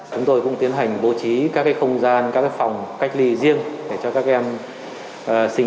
chúng tôi cũng tiến hành bố trí các không gian các phòng cách ly riêng